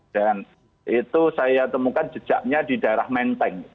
dan itu saya temukan jejaknya di daerah menteng